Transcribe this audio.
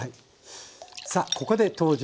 さあここで登場。